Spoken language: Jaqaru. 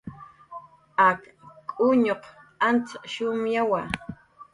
Ak k'uñuq antz shumyawa